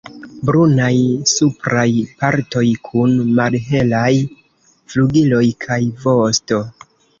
Brunaj supraj partoj, kun malhelaj flugiloj kaj vosto.